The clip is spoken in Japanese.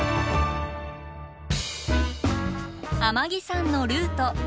天城山のルート。